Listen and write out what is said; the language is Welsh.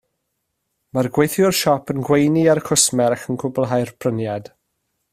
Mae'r gweithiwr siop yn gweini ar y cwsmer ac yn cwblhau'r pryniad